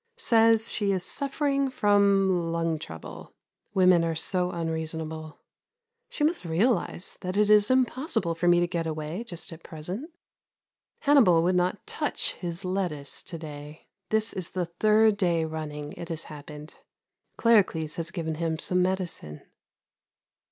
Says she is suffering from lung trouble. Women are so unreasonable. She must realise that it is impossible for me to get away just at present. Hannibal would not touch his lettuce to day. This is the third day running it has happened. Claricles has given him some medicine.